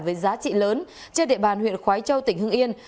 với giá trị lớn trên địa bàn huyện khói châu tỉnh hưng yên